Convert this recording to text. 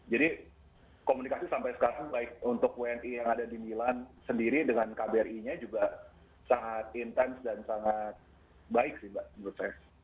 jadi komunikasi sampai sekarang baik untuk wni yang ada di milan sendiri dengan kbri nya juga sangat intens dan sangat baik sih mbak menurut saya